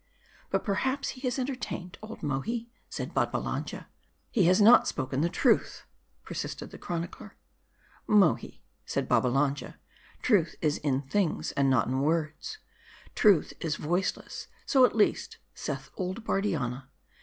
" But perhaps he has entertained, old Mohi," said Babba lanja. "He has hot spoken the truth," persisted the chronicler. " Mohi/' said Babbalanja, " truth is in things, and not in words : truth is voiceless ; so at least saith old Bardianna.